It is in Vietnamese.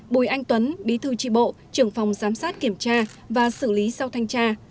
bùi anh tuấn bí thư tri bộ trưởng phòng giám sát kiểm tra và xử lý sau thanh tra